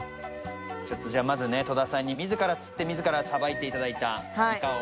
ちょっとじゃあまずね戸田さんに自ら釣って自らさばいていただいたイカを。